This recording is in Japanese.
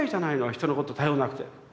人のこと頼らなくて」。